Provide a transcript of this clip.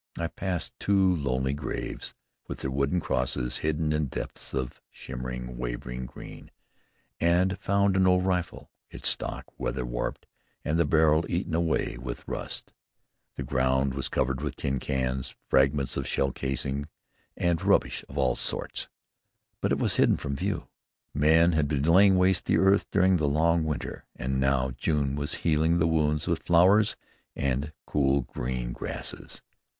I passed two lonely graves with their wooden crosses hidden in depths of shimmering, waving green, and found an old rifle, its stock weather warped and the barrel eaten away with rust. The ground was covered with tin cans, fragments of shell casing, and rubbish of all sorts; but it was hidden from view. Men had been laying waste the earth during the long winter, and now June was healing the wounds with flowers and cool green grasses.